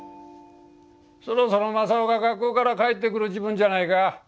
そろそろ正雄が学校から帰ってくる時分じゃないか？